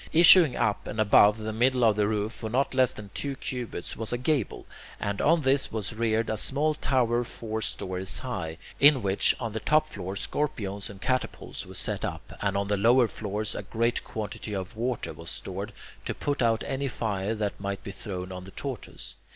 Issuing up and above the middle of the roof for not less than two cubits was a gable, and on this was reared a small tower four stories high, in which, on the top floor, scorpiones and catapults were set up, and on the lower floors a great quantity of water was stored, to put out any fire that might be thrown on the tortoise.